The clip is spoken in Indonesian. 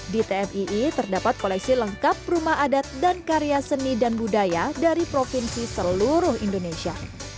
di tmii terdapat koleksi lengkap rumah adat dan karya seni dan budaya dari provinsi seluruh indonesia